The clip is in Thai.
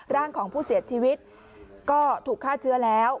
ร่างของผู้เสียชีวิตก็ถูกฆ่าเชื้อแล้ว